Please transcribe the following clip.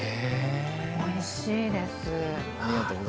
おいしいです。